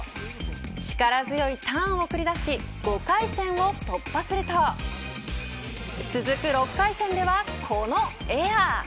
力強いターンを繰り出し５回戦を突破すると続く６回戦ではこのエアー。